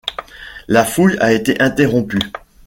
La fouille a été interrompue.